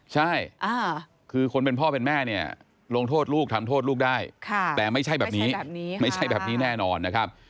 ใช่คือคนเป็นพ่อเป็นแม่เนี่ยลงโทษลูกทำโทษลูกได้แต่ไม่ใช่แบบนี้ไม่ใช่แบบนี้แน่นอนนะครับ